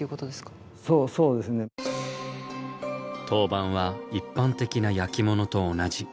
陶板は一般的な焼き物と同じ。